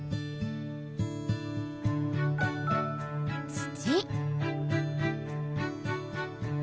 土。